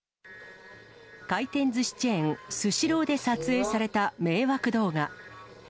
回転ずしチェーン、スシローで撮影された迷惑動画。